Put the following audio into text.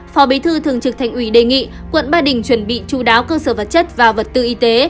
phó bí thư thường trực thành ủy đề nghị quận ba đình chuẩn bị chú đáo cơ sở vật chất và vật tư y tế